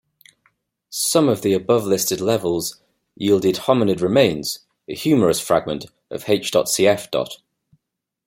Some of the above-listed levels yielded hominid remains: a humerus fragment of H. cf.